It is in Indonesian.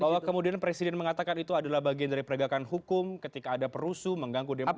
bahwa kemudian presiden mengatakan itu adalah bagian dari penegakan hukum ketika ada perusuh mengganggu demokrasi